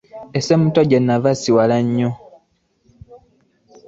E Ssemuto gye nava si wala nnyo.